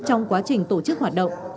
trong quá trình tổ chức hoạt động